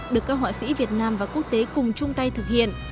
được các họa sĩ việt nam và quốc tế cùng chung tay thực hiện